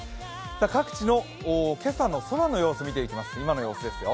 各地の今朝の空の様子を見ていきます、今の様子ですよ。